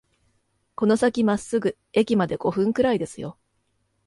この先まっすぐ、駅まで五分くらいですよ